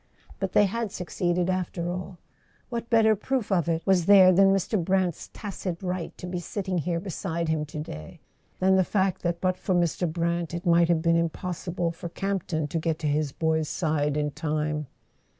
But they had succeeded after all; what better proof of it was there than Mr. Brant's tacit right to be sitting here beside him to day; than the fact that but for Mr. [ 274 ] A SON AT THE FRONT Brant it might have been impossible for Campton to get to his boy's side in time?